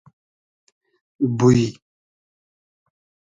بوی